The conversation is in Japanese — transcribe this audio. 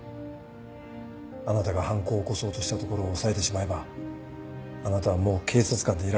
あなたが犯行を起こそうとしたところを押さえてしまえばあなたはもう警察官でいられなくなる。